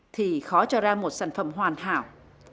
thì khó cho ra một sản phẩm hoàn hảo